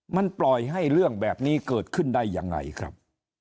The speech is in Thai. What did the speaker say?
มันปล่อยให้เรื่องแบบนี้เกิดขึ้นได้ยังไงครับ